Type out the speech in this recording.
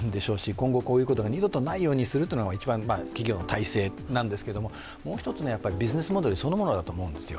今後こういうことが二度とないようにするというのが一番企業の体制なんですけど、もう１つはビジネスモデルそのものだと思うんですよ。